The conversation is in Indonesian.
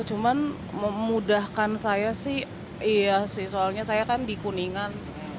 cuman memudahkan saya sih iya sih soalnya saya kan di kuningan